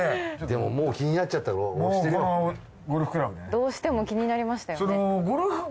どうしても気になりましたよね。